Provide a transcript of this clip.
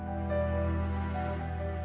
badan pengkajian dan penerapan teknologi serpong